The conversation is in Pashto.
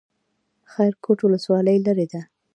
خیرکوټ ولسوالۍ لیرې ده؟